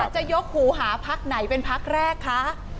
จะยกหูหาพักไหนเป็นพักแรกคะ